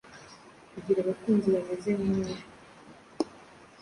Kugira abakunzi bameze nkawe.